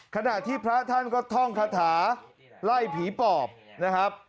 ขณะที่พระท่านก็ท่องคาถาไล่ผีปอบนะครับ